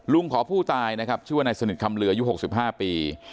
ลุงขอผู้ตายชื่อว่านายสนิทคำเรือยุค๖๕ปี